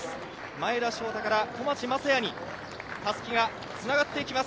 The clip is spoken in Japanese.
前田将太から小町昌矢にたすきがつながっていきます。